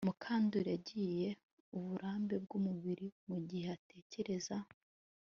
Mukandoli yagize uburambe bwumubiri mugihe atekereza